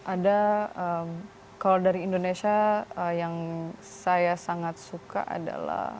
ada kalau dari indonesia yang saya sangat suka adalah